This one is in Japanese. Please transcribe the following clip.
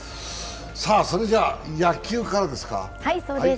それじゃ野球からですか。